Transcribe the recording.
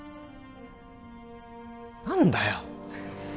何だよ！？